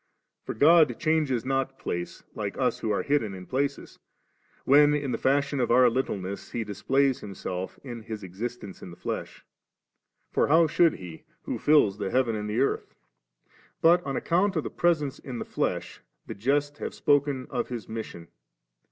For God changes not place^ uke us who are hidden in places, when in the frishion of our littieness He dis pla3rs Himself in His existence in the flesh ; for how should He, who fills the heaven and the earth ? but on account of the presence in the fiesh the just have spoken of His mission.